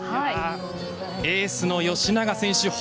エースの吉永選手